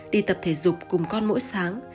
đi tập thể dục cùng con mỗi sáng